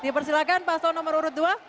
dipersilakan paslon nomor urut dua